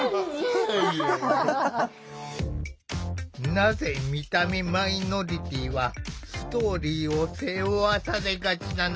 なぜ見た目マイノリティーはストーリーを背負わされがちなの？